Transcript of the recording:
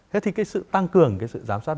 thế thì cái sự tăng cường cái sự giám sát